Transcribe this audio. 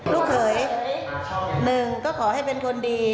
ลูกเขยหนึ่งก็ขอให้เป็นคนดี